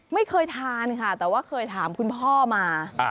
ไม่เคยทานค่ะแต่ว่าเคยถามคุณพ่อมา